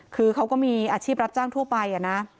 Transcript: คือเขาก็มีอาชีพรับจ้างทั่วไปนะ